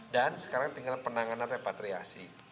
dan sekarang tinggal penanganan repatriasi